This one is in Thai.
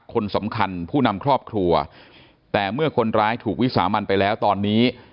คนสำคัญผู้นำครอบครัวแต่เมื่อคนร้ายถูกวิสามันไปแล้วตอนนี้